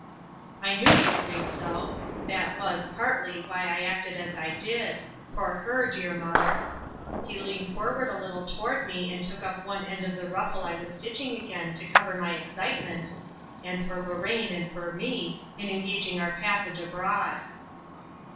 "I knew you'd think so. That was, partly, why I acted as I did, for her, dear mother" he leaned forward a little toward me and took up one end of the ruffle I was stitching again to cover my excitement "and for Lorraine and for me, in engaging our passage abroad."